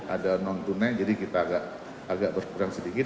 ada non tunai jadi kita agak berkurang sedikit